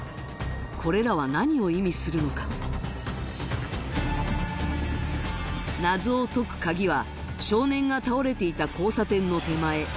これらは何を意味するのか謎を解く鍵は少年が倒れていた交差点の手前